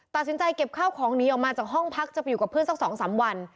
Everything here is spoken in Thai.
ตัดสินใจเก็บข้าวของหนีออกมาจากห้องพักจะไปอยู่กับเพื่อนสัก๒๓วัน